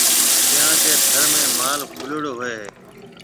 ڪيونڪہ ٿر ۾ مال کُليوڙو ھوئيَ ھيََََ